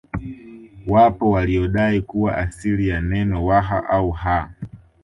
Wapo waliodai kuwa asili ya neno Waha au Ha